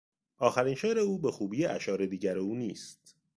آخرین شعر او به خوبی اشعار دیگر او نیست.